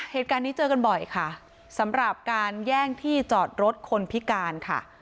เหตุการณ์นี้เจอกันบ่อยค่ะสำหรับการแย่งที่จอดรถคนพิการค่ะ